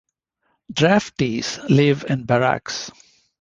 Draftees live in barracks.